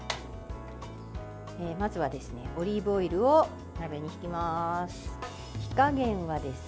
まずはオリーブオイルを鍋にひきます。